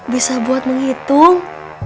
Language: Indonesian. bisa buat menghitung